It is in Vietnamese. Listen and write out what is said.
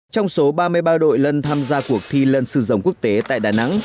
trong số ba mươi ba đội lân tham gia cuộc thi lân sư dòng quốc tế tại đà nẵng